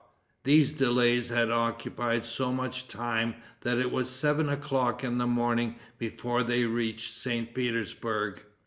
These delays had occupied so much time that it was seven o'clock in the morning before they reached St. Petersburg.